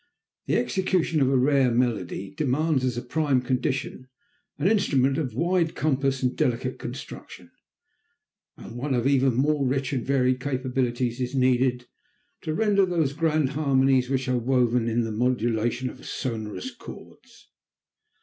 The execution of a rare melody demands as a prime condition an instrument of wide compass and delicate construction, and one of even more rich and varied capabilities is needed to render those grand harmonies which are woven in the modulation of sonorous chords.